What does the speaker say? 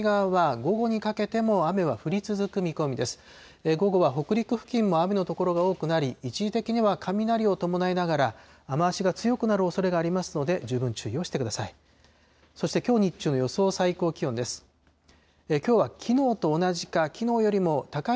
午後は北陸付近も雨の所が多くなり、一時的には雷を伴いながら、雨足が強くなるおそれがありますので、十分注意をしてください。